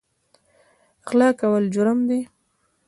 غلا کول جرم دی